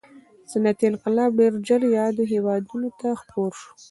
صنعتي انقلاب ډېر ژر یادو هېوادونو ته خپور شو.